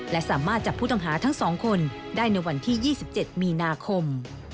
และสามารถจับผู้ต้องหาทั้ง๒คนได้ในวันที่๒๗มีนาคม